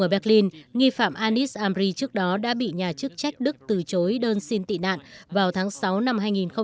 tuy nhiên nghi phạm anis amri trước đó đã bị nhà chức trách đức từ chối đơn xin tị nạn vào tháng sáu năm hai nghìn một mươi sáu